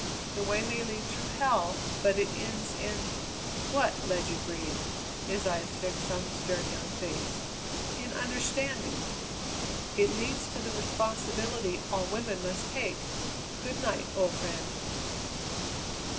The way may lead through hell, but it ends in " "What?" Ledyard breathed; his eyes fixed on the stern young face. "In understanding. It leads to the responsibility all women must take. Good night, old friend."